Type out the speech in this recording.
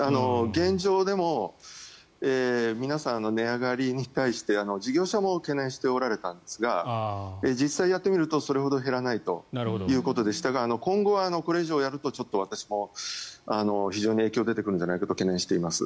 現状でも皆さん値上がりに対して事業者も懸念しておられたんですが実際やってみると、それほど減らないということでしたが今後はこれ以上やるとちょっと私も非常に影響が出てくるんじゃないかと懸念しています。